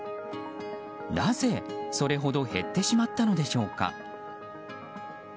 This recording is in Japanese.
なぜ、それほど減ってしまったのでしょうか？